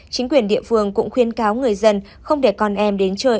chính quyền địa phương cũng khuyên cáo người dân không để con em đến chơi